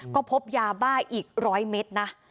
ก็พบยาบ้าอีกร้อยเม็ดนะ